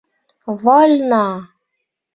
Вольно!